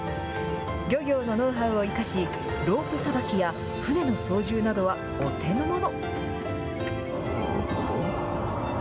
漁業のノウハウを生かし、ロープさばきや舟の操縦などはお手の物。